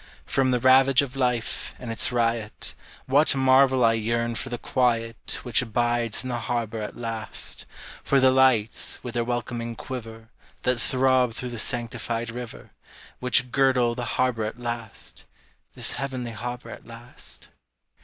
From the ravage of life, and its riot, What marvel I yearn for the quiet Which bides in the harbor at last, For the lights, with their welcoming quiver That throb through the sanctified river, Which girdle the harbor at last, This heavenly harbor at last?